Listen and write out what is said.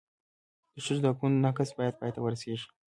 د ښځو د حقونو نقض باید پای ته ورسېږي.